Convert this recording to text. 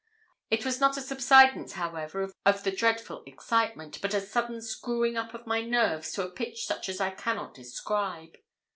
It was not a subsidence, however, of the dreadful excitement, but a sudden screwing up of my nerves to a pitch such as I cannot describe.